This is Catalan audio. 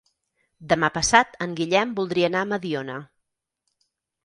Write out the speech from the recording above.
Demà passat en Guillem voldria anar a Mediona.